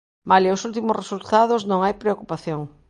Malia os últimos resultados non hai preocupación.